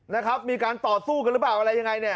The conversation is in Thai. นะครับมีการต่อสู้กันหรือเปล่าอะไรยังไงเนี่ย